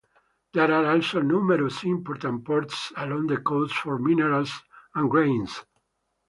There are also numerous important ports along the coast for minerals and grains.